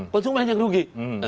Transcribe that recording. konsumen yang rugi